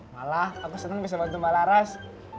malah aku senang bisa bantu mbak laras